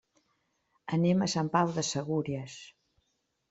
Anem a Sant Pau de Segúries.